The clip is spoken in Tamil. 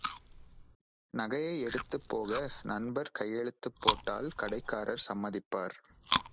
நகையை எடுத்துப் போக நண்பர் கையெழுத்துப் போட்டால் கடைக்காரர் சம்மதிப்பார்.